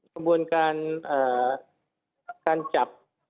กระบวนการการจับ